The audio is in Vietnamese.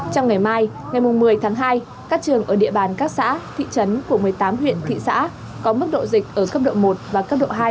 trong ngày mai ngày một mươi tháng hai các trường ở địa bàn các xã thị trấn của một mươi tám huyện thị xã có mức độ dịch ở cấp độ một và cấp độ hai